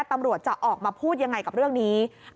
ตำรวจจะออกมาพูดยังไงกับเรื่องนี้